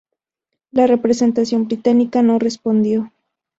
La representación británica no respondió.